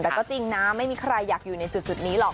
แต่ก็จริงนะไม่มีใครอยากอยู่ในจุดนี้หรอก